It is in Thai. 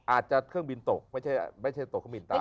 อาจจะเครื่องบินตกไม่ใช่ตกเครื่องบินตาย